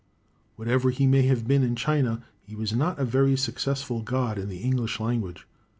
Whatever he may have been in China, he was not a very successful god in the English language.